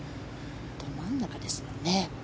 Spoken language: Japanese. ど真ん中ですもんね。